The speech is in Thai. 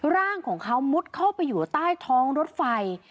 ร่างของเขามุดเข้าไปอยู่ใต้ท้องรถไฟ